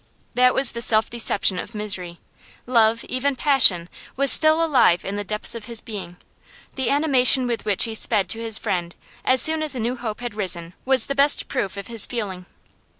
That was the self deception of misery. Love, even passion, was still alive in the depths of his being; the animation with which he sped to his friend as soon as a new hope had risen was the best proof of his feeling.